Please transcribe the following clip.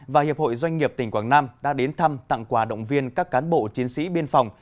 và hiệp hội doanh nghiệp tỉnh quảng nam đã đến thăm tặng quà động viên các cán bộ chiến sĩ biên phòng